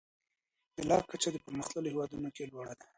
د طلاق کچه د پرمختللو هیوادونو کي لوړه ده.